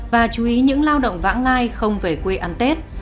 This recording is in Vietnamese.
và chú ý những lao động vãng lai không về quê ăn tết